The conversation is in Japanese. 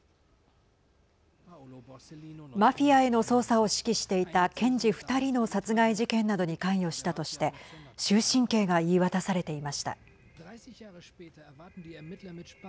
マフィアへの捜査を指揮していた検事２人の殺害事件などに関与したとして終身刑が言い渡されていました。